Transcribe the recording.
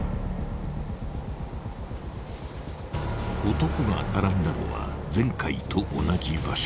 ［男が並んだのは前回と同じ場所］